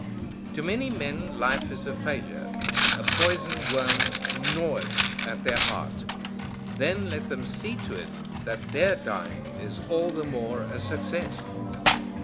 To many men life is a failure; a poison worm gnaweth at their heart. Then let them see to it that their dying is all the more a success.